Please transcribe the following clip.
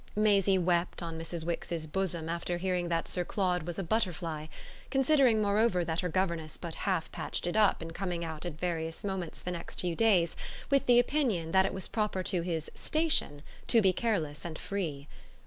Maisie wept on Mrs. Wix's bosom after hearing that Sir Claude was a butterfly; considering moreover that her governess but half patched it up in coming out at various moments the next few days with the opinion that it was proper to his "station" to be careless and free.